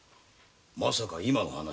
まさか今の話。